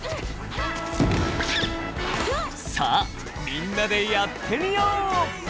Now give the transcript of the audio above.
さあ、みんなでやってみよう！